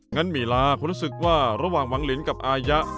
งั้นหมี่ลาคุณรู้สึกว่าระหวังหวังลิ้นกับอาญะ